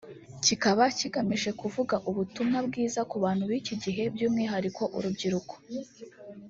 kikaba kigamije kuvuga ubutumwa bwiza ku bantu b’iki gihe by’umwihariko urubyiruko